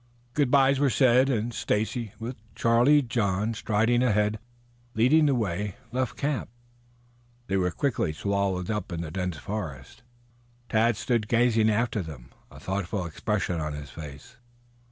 Good byes were said and Stacy, with Charlie John striding ahead, leading the way, left the camp. They were quickly swallowed up in the dense forest. Tad stood gazing after them, a thoughtful expression on his face.